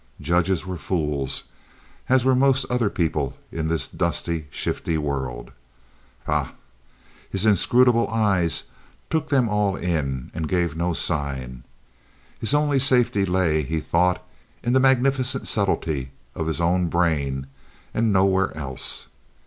Judges were fools, as were most other people in this dusty, shifty world. Pah! His inscrutable eyes took them all in and gave no sign. His only safety lay, he thought, in the magnificent subtley of his own brain, and nowhere else.